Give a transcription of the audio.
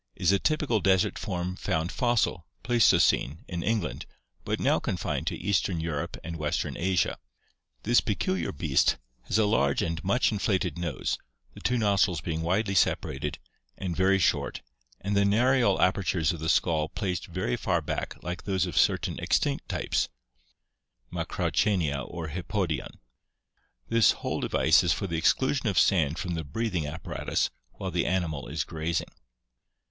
97) is a typical desert form found fossil (Pleistocene) in Eng land but now confined to eastern Europe and Fie. 97. — Saiga antelope, Saiga tartarica. (After Geikie.) ...,—,• peculiar beast has a large and much inflated nose, the two nos trils being widely separated and very short and the narial apertures of the skull placed very far back like those of certain extinct types (Macrauchenia or Hippidion, see Fig. 226). This whole device is for the exclusion of sand from the breathing apparatus while the animal is grazing.